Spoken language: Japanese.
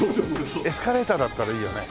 エスカレーターだったらいいよね。